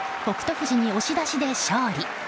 富士に押し出しで勝利。